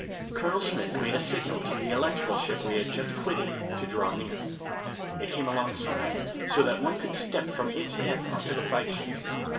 Colonel Smith made a signal to the electrical ship which we had just quitted to draw near. It came alongside, so that one could step from its deck onto the flagship.